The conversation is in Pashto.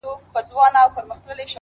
وړونه مي ټول د ژوند پر بام ناست دي.